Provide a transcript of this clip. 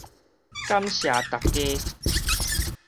感謝逐家